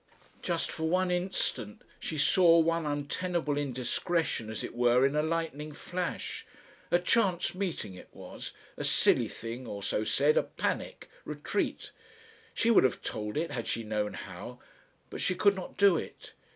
Just for one instant she saw one untenable indiscretion as it were in a lightning flash. A chance meeting it was, a "silly" thing or so said, a panic, retreat. She would have told it had she known how. But she could not do it.